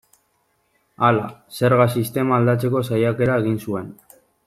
Hala, zerga sistema aldatzeko saiakera egin zuen.